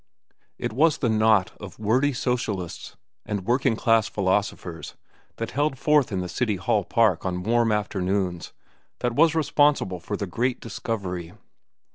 It was the knot of wordy socialists and working class philosophers that held forth in the City Hall Park on warm afternoons that was responsible for the great discovery.